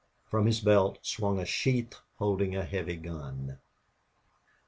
From his belt swung a sheath holding a heavy gun.